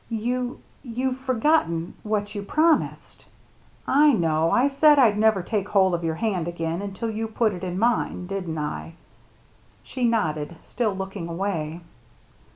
"You — you've forgotten — what you prom ised—" " I know, I said I'd never take hold of your hand again until you put it in mine — didn't I?" She nodded, still looking away.